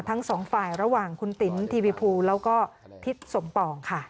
ทั้งสองฝ่ายระหว่างคุณติ๋มทีวีภูแล้วก็ทิศสมปองค่ะ